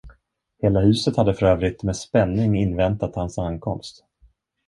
Hela huset hade för övrigt med spänning inväntat hans ankomst.